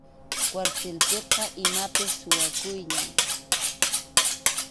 Kwartilpiqa imapas suwakuyllam.